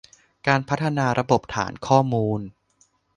การพัฒนาระบบฐานข้อมูล